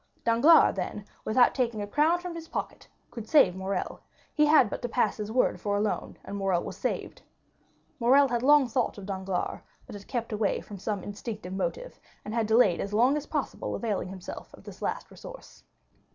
Danglars, then, without taking a crown from his pocket, could save Morrel; he had but to pass his word for a loan, and Morrel was saved. Morrel had long thought of Danglars, but had kept away from some instinctive motive, and had delayed as long as possible availing himself of this last resource.